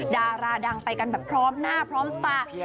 ดาราดังไปกันแบบพร้อมหน้าพร้อมตา